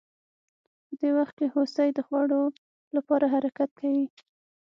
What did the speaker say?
په دې وخت کې هوسۍ د خوړو لپاره حرکت کوي